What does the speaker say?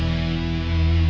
oke sampai jumpa